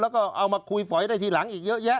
แล้วก็เอามาคุยฝอยได้ทีหลังอีกเยอะแยะ